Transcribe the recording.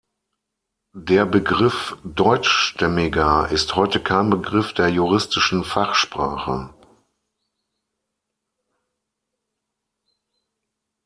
Der Begriff „Deutschstämmiger“ ist heute kein Begriff der juristischen Fachsprache.